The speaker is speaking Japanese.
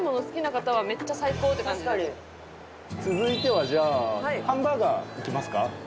続いてはじゃあハンバーガーいきますか？